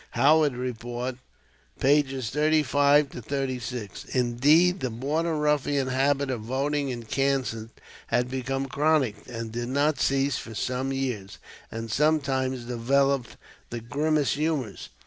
Howard Report, pp. 35 36. Indeed, the Border Ruffian habit of voting in Kansas had become chronic, and did not cease for some years, and sometimes developed the grimmest humors.